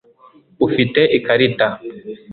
ufite ikarita